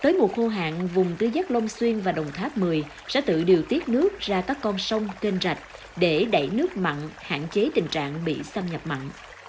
tới mùa khô hạn vùng tứ giác long xuyên và đồng tháp một mươi sẽ tự điều tiết nước ra các con sông kênh rạch để đẩy nước mặn hạn chế tình trạng bị xâm nhập mặn